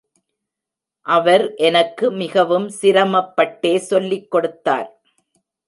அவர் எனக்கு மிகவும் சிரமப்பட்டே சொல்லிக் கொடுத்தார்.